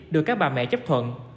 được các bà mẹ chấp thuận